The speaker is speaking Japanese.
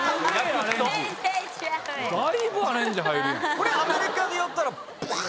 これアメリカでやったらぶわ！